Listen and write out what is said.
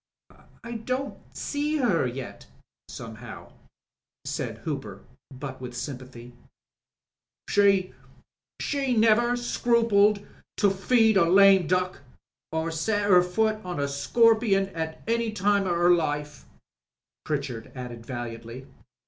"I don't see her yet somehow," said Hooper, but with sjTnpathyj "She — she never scrupled to feed a lame duck or set 'er foot on a scorpion at any time of 'er life," Pritchard added valiantly.